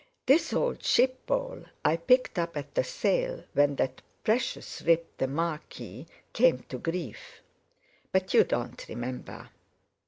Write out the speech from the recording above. This old 'ship bowl' I picked up at the sale when that precious rip, the Marquis, came to grief. But you don't remember.